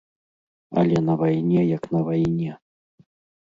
Але на вайне як на вайне.